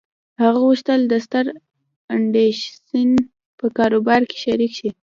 هغه غوښتل د ستر ايډېسن په کاروبار کې شريک شي.